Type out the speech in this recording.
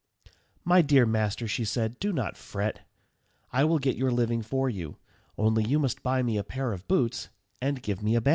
] "My dear master," she said, "do not fret. I will get your living for you. Only you must buy me a pair of boots and give me a bag."